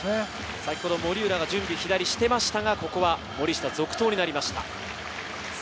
先ほど森浦が準備してましたが、森下続投となりました。